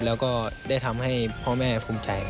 แล้วก็ได้ทำให้พ่อแม่ภูมิใจ